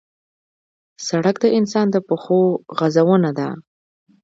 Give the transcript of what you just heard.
سړک د انسان د پښو غزونه ده.